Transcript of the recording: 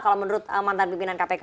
kalau menurut mantan pimpinan kpk